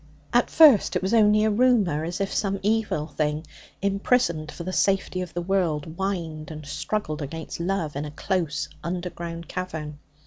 At first it was only a rumour, as if some evil thing, imprisoned for the safety of the world, whined and struggled against love in a close underground cavern.